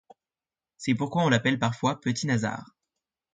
C'est pourquoi on l'appelle parfois Petit Nasard.